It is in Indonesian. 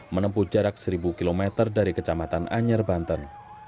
menempuh jarak seribu km dari kecamatan anyar banten